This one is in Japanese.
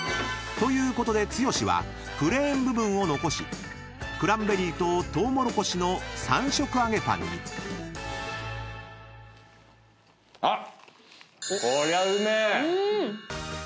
［ということで剛はプレーン部分を残しクランベリーととうもろこしの３色揚げパンに］あっ！